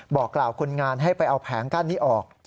บอกกล่าวคนงานให้ไปเอาแผงกั้นนี้ออก